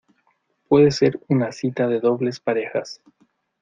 puede ser una cita de dobles parejas.